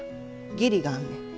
義理があんねん。